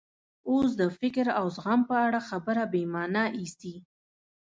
اوس د فکر او زغم په اړه خبره بې مانا ایسي.